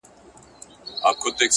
چي ژوندی یم زما به یاد يې میرهاشمه،